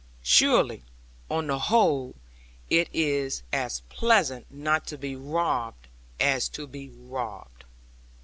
Surely, on the whole, it is as pleasant not to be robbed as to be robbed.'